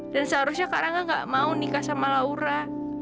dan seharusnya karangga gak mau nikah sama laura